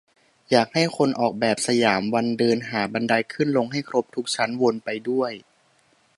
อยากให้คนออกแบบสยามวันเดินหาบันไดขึ้นลงให้ครบทุกชั้นวนไปด้วย